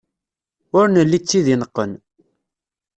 Ur nelli d tid ineqqen.